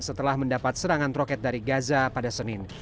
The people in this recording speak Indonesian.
setelah mendapat serangan roket dari gaza pada senin